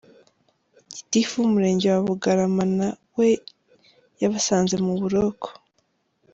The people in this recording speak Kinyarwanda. Gitifu w’umurenge wa Bugarama na we yabasanze mu buroko.